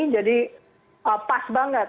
jadi pas banget